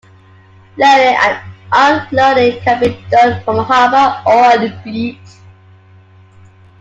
Loading and unloading can be done from a harbour or on a beach.